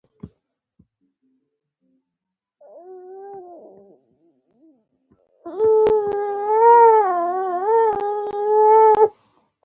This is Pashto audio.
د شنو ونو کموالی د چاپیریال د تودوخې زیاتیدو سبب ګرځي.